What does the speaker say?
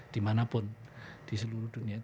dimanapun di seluruh dunia